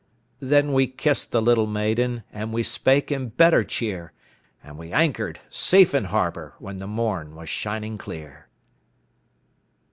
Then we kissed the little maiden, And we spake in better cheer, And we anchored safe in harbor When the morn was shining clear.